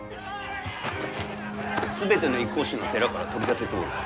全ての一向宗の寺から取り立てておる。